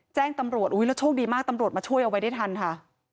แจ้งตำรวจแล้วโชคดีมากตำรวจมาช่วยเอาไว้ได้ทันค่ะ